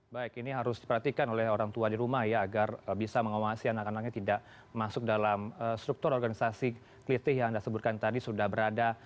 baik ini harus diperhatikan oleh orang tua di rumah ya agar bisa mengawasi anak anaknya tidak masuk dalam struktur organisasi kelisih yang anda sebutkan tadi sudah berada